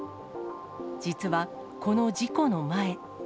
実はこの事故の前。